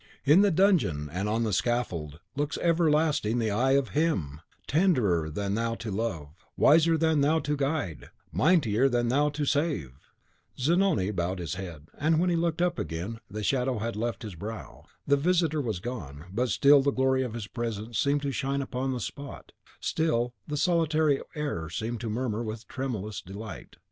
In the dungeon and on the scaffold looks everlasting the Eye of HIM, tenderer than thou to love, wiser than thou to guide, mightier than thou to save!" Zanoni bowed his head; and when he looked up again, the last shadow had left his brow. The visitor was gone; but still the glory of his presence seemed to shine upon the spot, still the solitary air seemed to murmur with tremulous delight.